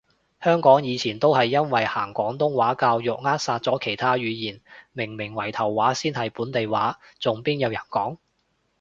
香港以前都係因為行廣東話教育扼殺咗其他語言，明明圍頭話先係本地話，仲邊有人講？